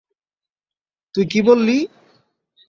তুই কী বললি?